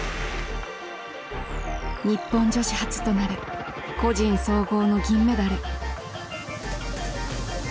日本女子初となる個人総合の銀メダル。